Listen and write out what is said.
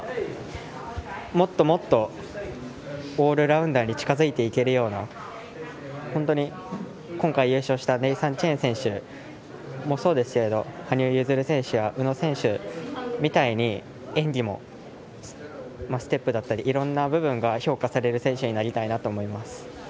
もっともっとオールラウンダーに近づいていけるような今回優勝したネイサン・チェン選手もそうですが羽生結弦選手や宇野選手みたいに演技も、ステップだったりいろいろな部分が評価される選手になりたいなと思います。